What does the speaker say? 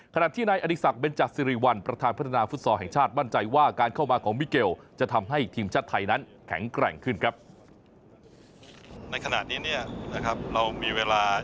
ขณะที่นายอดีศักดิเบนจัดสิริวัลประธานพัฒนาฟุตซอลแห่งชาติมั่นใจว่าการเข้ามาของมิเกลจะทำให้ทีมชาติไทยนั้นแข็งแกร่งขึ้นครับ